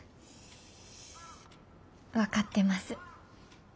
分かってます。